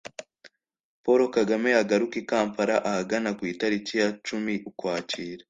paul kagame yagaruka i kampala ahagana ku itariki ya cumi ukwakira